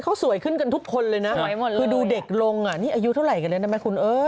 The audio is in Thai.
เค้าสวยขึ้นกันทุกคนเลยนะดูเด็กลงนี่อายุเท่าไรกันเลยณบันทคุณเอ๋ย